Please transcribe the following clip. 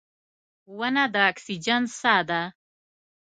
• ونه د اکسیجن ساه ده.